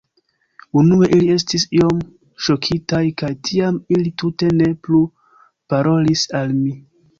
Unue ili estis iom ŝokitaj kaj tiam ili tute ne plu parolis al mi.